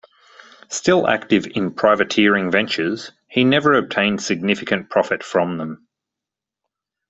Still active in privateering ventures, he never obtained significant profit from them.